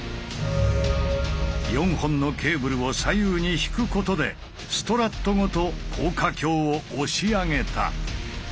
４本のケーブルを左右に引くことでストラットごと高架橋を押し上げた。